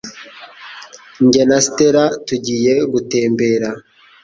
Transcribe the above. Jye na Estella tugiye gutembera.